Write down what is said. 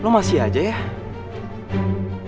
lu masih aja ya